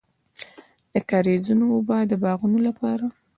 د کاریزونو اوبه د باغونو لپاره دي.